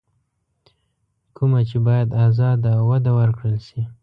کومه چې بايد ازاده او وده ورکړل شي.